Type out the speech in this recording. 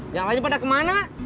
yang lain pada kemana